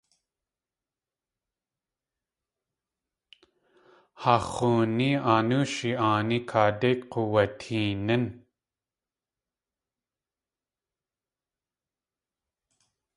Haa x̲ooní Anóoshi aaní kaadé k̲uwuteenín.